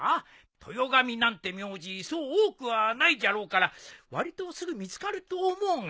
豊上なんて名字そう多くはないじゃろうからわりとすぐ見つかると思うが。